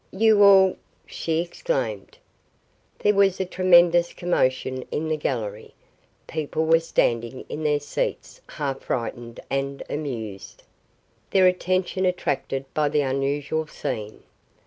"You all !" she exclaimed. There was a tremendous commotion in the gallery. People were standing in their seats half frightened and amused, their attention attracted by the unusual scene.